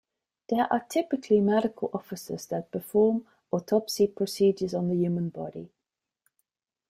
They are typically medical officers that perform autopsy procedures on the human body.